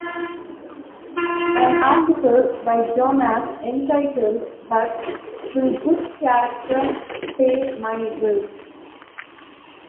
An article by Jonas entitled But Will Good Character Pay My Bills?